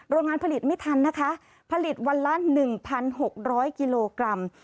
โรงงานผลิตไม่ทันนะคะผลิตวันละ๑๖๐๐กิโลกรัม